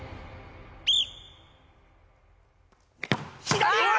左！